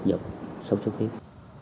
nhận sốt sốt huyết